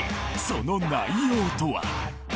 その内容とは？